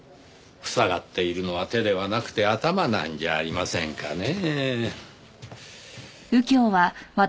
塞がっているのは手ではなくて頭なんじゃありませんかねぇ。